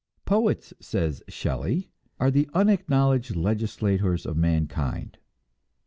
"Poets," says Shelley, "are the unacknowledged legislators of mankind."